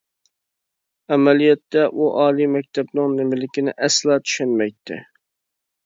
ئەمەلىيەتتە، ئۇ ئالىي مەكتەپنىڭ نېمىلىكىنى ئەسلا چۈشەنمەيتتى.